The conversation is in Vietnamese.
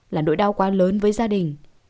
là nỗi đau quá lớn với gia đình